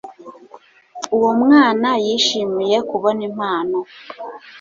Uwo mwana yishimiye kubona impano